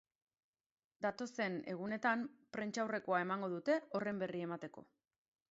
Datozen egunetan prentsaurrekoa emango dute horren berri emateko.